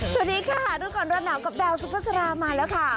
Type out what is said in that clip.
สวัสดีค่ะทุกคนระนาบกับแบลวซูเปอร์สุรามาแล้วค่ะ